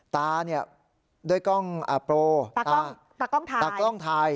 ตาโปรตากล้องถ่าย